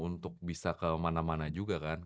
untuk bisa ke mana mana juga kan